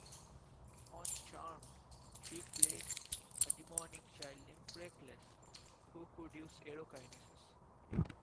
On "Charmed", she played a demonic child named Freckles who could use aerokinesis.